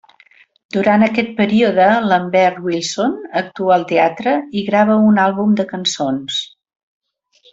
Durant aquest període, Lambert Wilson actua al teatre, i grava un àlbum de cançons.